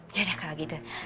yaudah kalau gitu